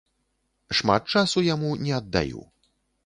Шмат часу яму не аддаю.